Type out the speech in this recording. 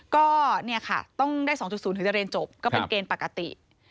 ก็ต้องได้๒๐ถึงจะเรียนจบก็เป็นเกณฑ์ปกติ